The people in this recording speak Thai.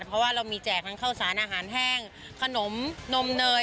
เพราะว่าเรามีแจกทั้งข้าวสารอาหารแห้งขนมนมเนย